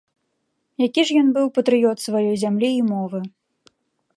Які ж ён быў патрыёт сваёй зямлі і мовы!